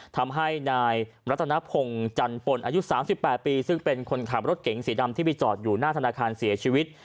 ทำให้นายรัตนพงศ์จันปนอายุ๓๘ปีซึ่งเป็นคนขับรถเก๋งสีดำที่ไปจอดอยู่หน้าธนาคารเสียชีวิต